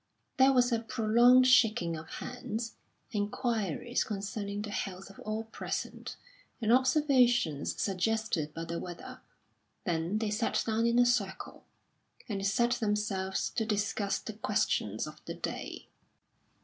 There was a prolonged shaking of hands, inquiries concerning the health of all present, and observations suggested by the weather; then they sat down in a circle, and set themselves to discuss the questions of the day.